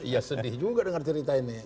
ya sedih juga dengar cerita ini